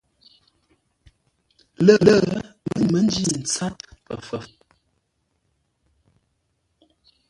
Lə̂, ə́ mə́ ńjí ntsát mbəfəuŋ.